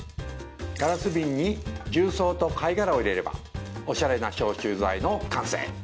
ガラス瓶に重曹と貝殻を入れればおしゃれな消臭剤の完成